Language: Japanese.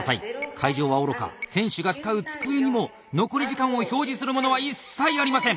会場はおろか選手が使う机にも残り時間を表示するものは一切ありません。